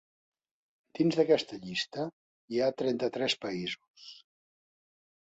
Dins d’aquesta llista hi ha trenta-tres països.